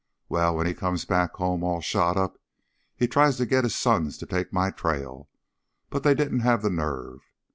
Well, when he comes back home all shot up he tries to get his sons to take my trail, but they didn't have the nerve.